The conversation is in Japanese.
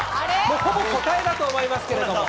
ほぼ答えだと思いますけれども。